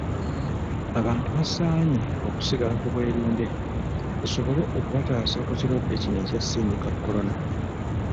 Abantu basaanye okusigala ku bwerinde, kisobole okubataasa ku kirwadde kino ekya ssennyiga Kolona.